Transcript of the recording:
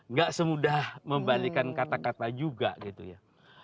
nggak semudah membalikan kata kata juga gitu ya